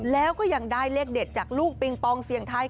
แล้วก็ยังได้เลขเด็ดจากลูกปิงปองเสียงไทย